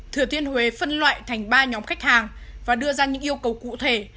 thừa thiên huế phân loại thành ba nhóm khách hàng và đưa ra những yêu cầu cụ thể